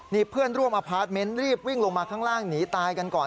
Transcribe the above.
นี่เพื่อนร่วมอพาร์ทเมนต์รีบวิ่งลงมาข้างล่างหนีตายกันก่อน